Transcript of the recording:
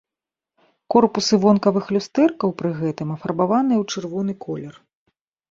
Корпусы вонкавых люстэркаў пры гэтым афарбаваныя ў чырвоны колер.